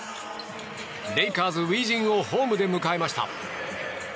レイカーズ初陣をホームで迎えました。